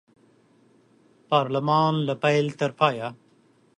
پارلمان له پیل تر پایه